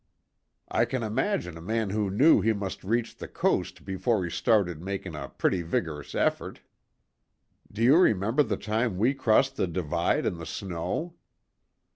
"I can imagine a man who knew he must reach the coast before he started making a pretty vigorous effort. Do you remember the time we crossed the divide in the snow?"